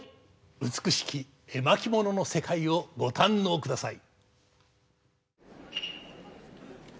美しき絵巻物の世界をご堪能ください！